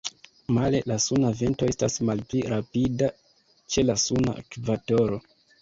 Male, la suna vento estas malpli rapida ĉe la suna ekvatoro.